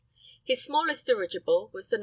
His smallest dirigible was the No.